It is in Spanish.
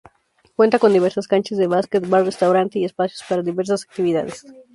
Cuenta con diversas canchas de básquet, bar- restaurante, y espacios para diversas actividades.